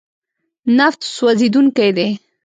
نفت سوځېدونکی دی.